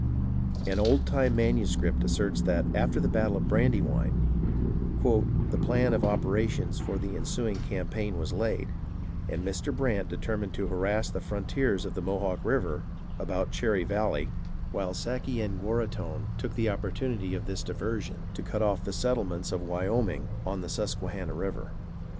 An old time manuscript asserts that after the battle of Brandywine, " The plan of opera tions for the ensuing campaign was laid, and Mr. Brant determined to harass the Frontiers of the Mohawk River abt Cherry Valley [illegible], while Sakayenguaraghton took the Opportunity of this diversion to cut off the settle ments of Wayoming on the Susquehanna River."